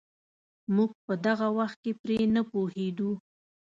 موږ په دغه وخت کې پرې نه پوهېدو.